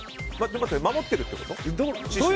守ってるってこと？